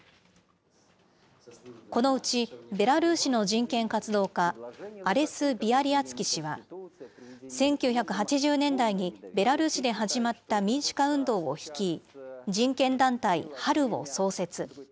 このうち、ベラルーシの人権活動家、アレス・ビアリアツキ氏は、１９８０年代にベラルーシで始まった民主化運動を率い、人権団体、春を創設。